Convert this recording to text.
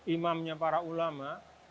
imamnya para ulama